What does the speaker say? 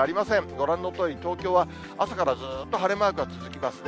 ご覧のとおり、東京は朝からずっと晴れマークが続きますね。